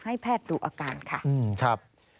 ให้แพทย์ดูอาการค่ะ